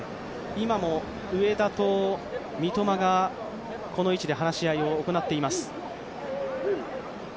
今も上田と三笘がこの位置で話し合いを行っています。